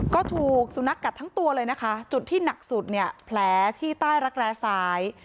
ก็ถูกสุนัขกัดทั้งตัวเลยนะคะจุดที่หนักสุดเนี่ยแผลที่ใต้รักแร้ซ้าย